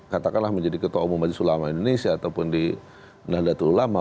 katakanlah menjadi ketua umum majelis ulama indonesia ataupun di nahdlatul ulama